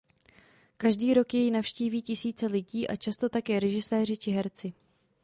Každý rok jej navštíví tisíce lidí a často také režiséři či herci.